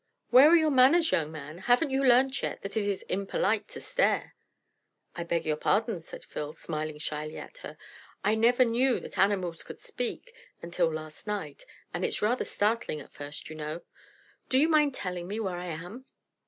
"Where are your manners, young man? Haven't you learnt yet that it isn't polite to stare?" "I beg your pardon," said Phil, smiling shyly at her. "I never knew that animals could speak until last night, and it's rather startling at first, you know. Do you mind telling me where I am?"